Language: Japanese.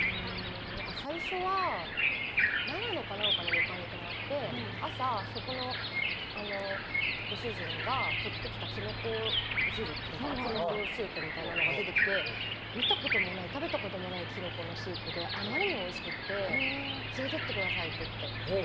最初は長野かなんかの旅館に泊まって朝、そこのご主人がとってきたキノコ汁というかキノコスープみたいなのが出てきて見たことも食べたこともないキノコのスープであまりにもおいしくて連れてってくださいって。